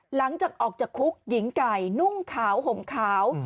หลังจากออกจากคุกหญิงไก่นุ่งขาวห่มขาว